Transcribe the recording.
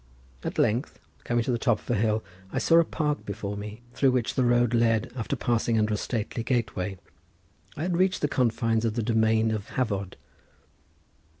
At length coming to the top of a hill I saw a park before me, through which the road led after passing under a stately gateway. I had reached the confines of the domain of Hafod.